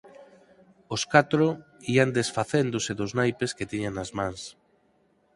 Os catro ían desfacéndose dos naipes que tiñan nas mans.